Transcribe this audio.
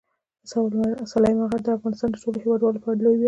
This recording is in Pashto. سلیمان غر د افغانستان د ټولو هیوادوالو لپاره لوی ویاړ دی.